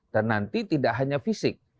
dan nanti tidak hanya fisik